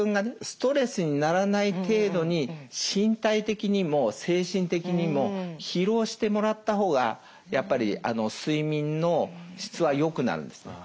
ストレスにならない程度に身体的にも精神的にも疲労してもらった方がやっぱり睡眠の質は良くなるんですね。